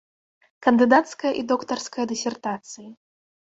Кандыдацкая і доктарская дысертацыі.